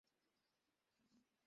কিছু একটা করার আছে নিশ্চয়ই।